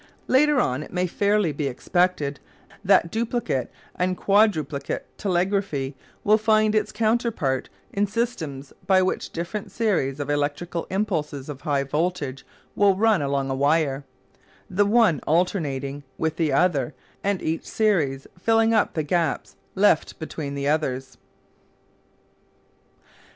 Later on it may fairly be expected that duplicate and quadruplicate telegraphy will find its counterpart in systems by which different series of electrical impulses of high voltage will run along a wire, the one alternating with the other and each series filling up the gaps left between the others.